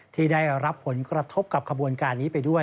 ที่ได้รับผลกระทบกับขบวนการนี้ไปด้วย